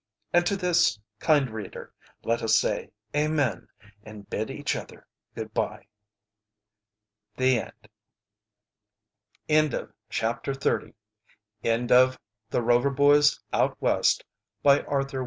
And to this, kind reader, let us say Amen, and bid each other good by. THE END End of Project Gutenberg's The Rover Boys out West, by Arthur M.